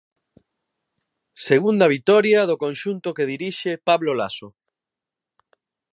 Segunda vitoria do conxunto que dirixe Pablo Laso.